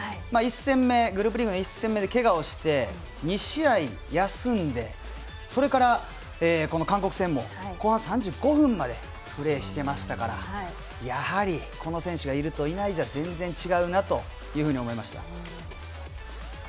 グループリーグの１戦目でけがをして２試合、休んでそれから、この韓国戦も後半３５分までプレーしてましたからやはり、この選手がいるのといないのじゃ全然、違うなというふうに思いました。